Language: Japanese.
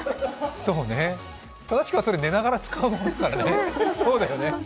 そうね、正しくはそれ寝ながら使うものだからね。